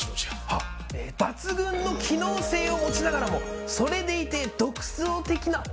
はっ抜群の機能性を持ちながらもそれでいて独創的なオシャレなお城でございます